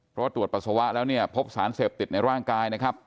เพราะว่าตรวจปัสสาวะแล้วเนี่ยพบสารเสพติดในร่างกายนะครับ